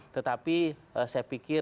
tetapi saya pikir